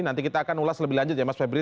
nanti kita akan ulas lebih lanjut ya mas febri